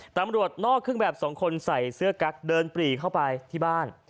ตำรวจนอกเครื่องแบบสองคนใส่เสื้อกั๊กเดินปรีเข้าไปที่บ้าน